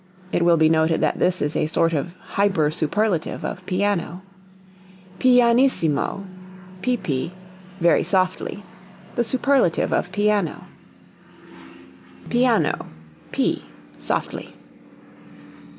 (It will be noted that this is a sort of hyper superlative of piano.) Pianissimo (pp) very softly. (The superlative of piano.) Piano (p) softly.